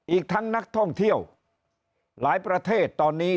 อีกทั้งนักท่องเที่ยวหลายประเทศตอนนี้